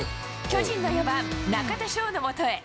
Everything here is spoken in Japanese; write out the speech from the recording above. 巨人の４番中田翔の元へ。